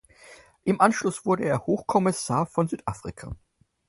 Im Anschluss wurde er Hochkommissar von Südafrika.